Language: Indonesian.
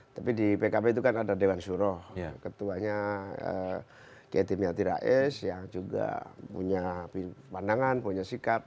tapi di pkb itu kan ada dewan suroh ketuanya kayak tim yati rais yang juga punya pandangan punya sikap